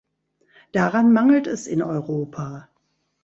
Daran mangelt es in Europa.